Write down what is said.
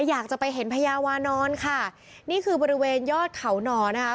อยากจะไปเห็นพญาวานอนค่ะนี่คือบริเวณยอดเขาหน่อนะคะ